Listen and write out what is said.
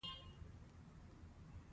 بیا یې پر اوږه لاس راکښېښود او له کوټې ووت.